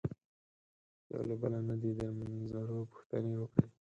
یو له بله نه دې د نومځرو پوښتنې وکړي.